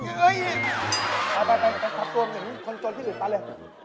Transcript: เฮ่ยเอาไปตัดตรวมหนึ่งคนจนที่หลุดตัดเลย